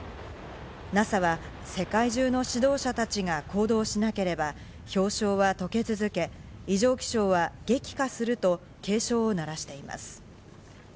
ＮＡＳＡは世界中の指導者たちが行動しなければ氷床は溶け続け、異常気象は激化すると警鐘を鳴らしています。